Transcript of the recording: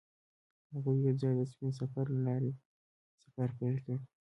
هغوی یوځای د سپین سفر له لارې سفر پیل کړ.